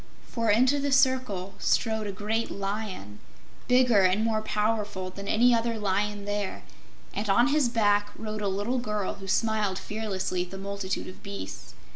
For into the circle strode a great Lion bigger and more powerful than any other lion there and on his back rode a little girl who smiled fearlessly at the multitude of beasts.